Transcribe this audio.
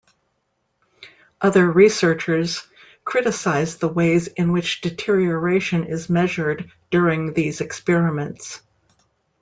Other researchers criticize the ways in which deterioration is measured during these experiments.